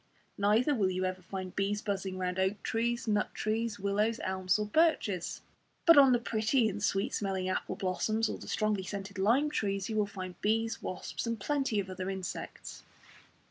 Neither will you ever find bees buzzing round oak trees, nut trees, willows, elms or birches. But on the pretty and sweet smelling apple blossoms, or the strongly scented lime trees, you will find bees, wasps, and plenty of other insects.